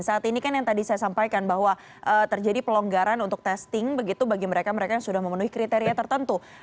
saat ini kan yang tadi saya sampaikan bahwa terjadi pelonggaran untuk testing begitu bagi mereka mereka yang sudah memenuhi kriteria tertentu